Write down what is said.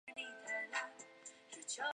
一路超冷才对